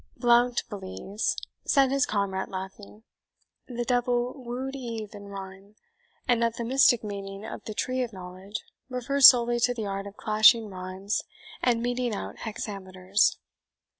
"Blount believes," said his comrade, laughing, "the devil woo'd Eve in rhyme, and that the mystic meaning of the Tree of Knowledge refers solely to the art of clashing rhymes and meting out hexameters."